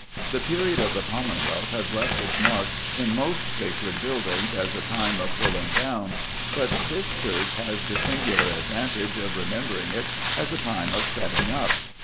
The period of the Commonwealth has left its mark in most sacred buildings as a time of pulling down; but this church has the singular advantage of remembering it as a time of setting up.